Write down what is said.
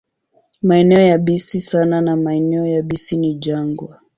Maeneo yabisi sana na maeneo yabisi ni jangwa.